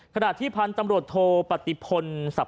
ก็ได้พลังเท่าไหร่ครับ